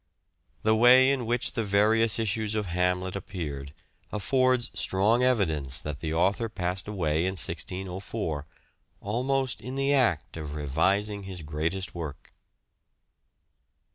The way in which the various issues of " Hamlet " appeared affords strong evidence that the author passed away in 1604, almost in the act of revising his greatest work.